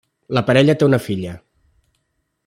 La parella té una filla.